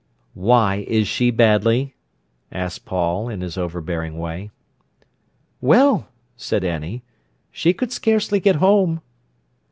"Why is she badly?" asked Paul, in his overbearing way. "Well!" said Annie. "She could scarcely get home."